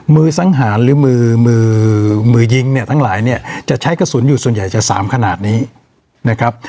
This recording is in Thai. มือสังหารหรือมือมือยิงเนี่ยทั้งหลายเนี่ยจะใช้กระสุนอยู่ส่วนใหญ่จะสามขนาดนี้นะครับ